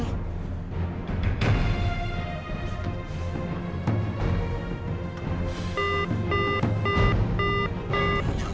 calon kembangin gua lagi